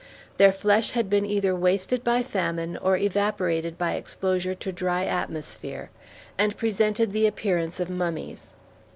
Their flesh had been either wasted by famine or evaporated by exposure to dry atmosphere, and presented the appearance of mummies.